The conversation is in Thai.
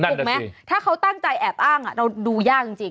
ถูกไหมถ้าเขาตั้งใจแอบอ้างเราดูยากจริง